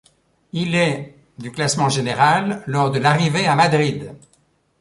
Il est du classement général lors de l'arrivée à Madrid.